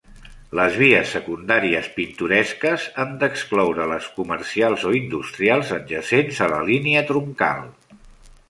Les vies secundàries pintoresques han d'excloure les comercials o industrials adjacents a la línia troncal.